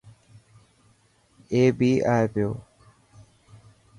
اي بي ائي پيو.